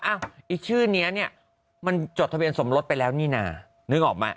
ไอ้ชื่อนี้เนี่ยมันจดทะเบียนสมรสไปแล้วนี่น่ะนึกออกไหม